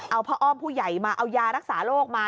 เอาพระอ้อมผู้ใหญ่มาเอายารักษาโรคมา